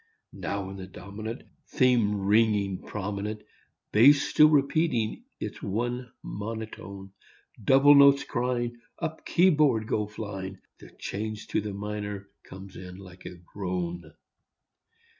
Now in the dominant Theme ringing prominent, Bass still repeating its one monotone, Double notes crying, Up keyboard go flying, The change to the minor comes in like a groan.